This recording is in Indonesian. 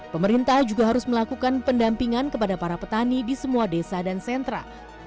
pemerintah juga harus melakukan pendampingan kepada para petani di semua desa dan sentra